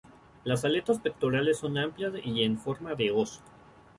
Las aletas pectorales son amplias y en forma de hoz.